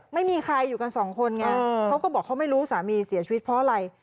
ไม่มีใครอยู่กันสองคนไงเขาก็บอกเขาไม่รู้สามีเสียชีวิตเพราะอะไร